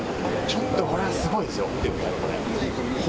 ちょっとこれはすごいですよ。